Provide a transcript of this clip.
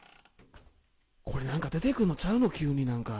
これなんか出てくんのちゃうの急になんか。